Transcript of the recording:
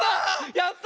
やった！